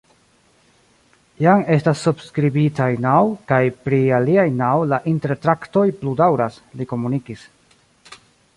Jam estas subskribitaj naŭ, kaj pri aliaj naŭ la intertraktoj plu daŭras, li komunikis.